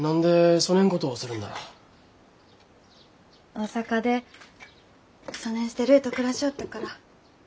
大阪でそねんしてるいと暮らしょおったから。